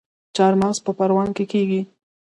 چارمغز په پروان کې کیږي